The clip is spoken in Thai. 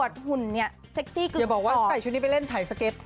เดี๋ยวบอกว่าใส่ชุดนี้ไปเล่นถ่ายสเก็ต